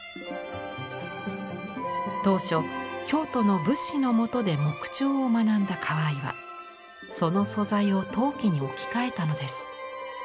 当初京都の仏師のもとで木彫を学んだ河井はその素材を陶器に置き換えたのです。